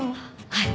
はい。